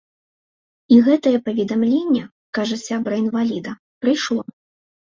І гэтае паведамленне, кажа сябра інваліда, прыйшло.